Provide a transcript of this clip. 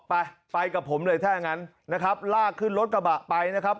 ไปไปกับผมเลยถ้าอย่างนั้นนะครับลากขึ้นรถกระบะไปนะครับ